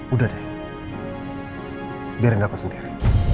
udah deh biar enggak aku sendiri